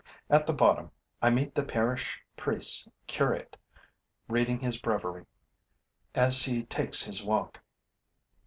At the bottom, I meet the parish priest's curate reading his breviary as he takes his walk.